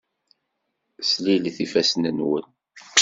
Slilet ifassen-nwen.